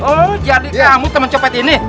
oh jadi kamu temen copet ini